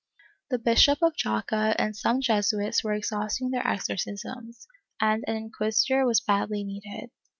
The Bishop of Jaca and some Jesuits were exhausting their exorcisms, and an inquisitor was badly needed.